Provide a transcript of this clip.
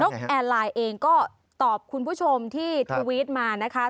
แอร์ไลน์เองก็ตอบคุณผู้ชมที่ทวิตมานะคะ